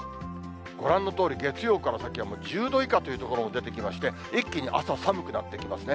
ご覧のとおり、月曜から先はもう１０度以下の所も出てきまして、一気に朝、寒くなってきますね。